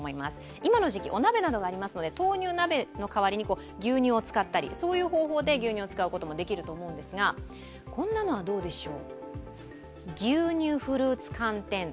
今の時期、お鍋などがありますので豆乳鍋で牛乳の代わりに使ったり、そういう方法で牛乳を使うことも出来ると思うんですがこんなのはどうでしょう。